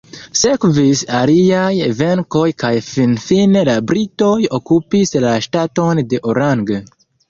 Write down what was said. Sekvis aliaj venkoj kaj finfine la britoj okupis la ŝtaton de Orange.